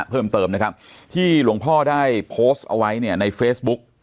เพิ่มเติมนะครับที่หลวงพ่อได้โพสต์เอาไว้เนี่ยในเฟซบุ๊ก